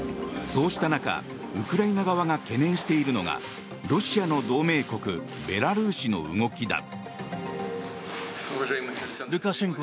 そうした中、ウクライナ側が懸念しているのがロシアの同盟国ベラルーシの動きだ。